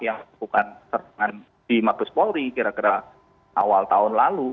yang melakukan serangan di mabes polri kira kira awal tahun lalu